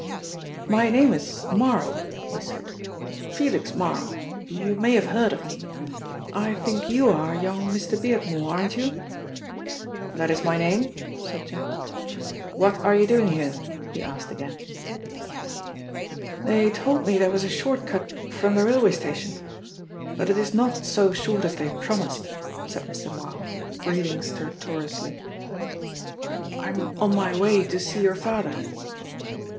"My name is Marl," he said, "Felix Marl. You may have heard of me. I think you are young Mr. Beardmore, aren't you?" "That is my name," said Jack. "What are you doing here?" he asked again. "They told me there was a short cut from the railway station, but it is not so short as they promised," said Mr. Marl, breathing stertorously. "I'm on my way to see your father."